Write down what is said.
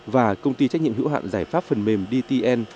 và công ty trách nhiệm hữu hạn giải pháp phần mềm dtn